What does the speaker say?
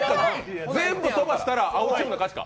全部飛ばしたら青チームの勝ちか。